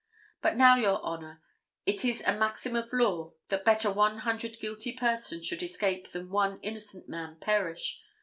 But now, Your Honor, it is a maxim of law that better one hundred guilty persons should escape than one innocent man perish.